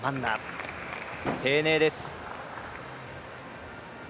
丁寧です。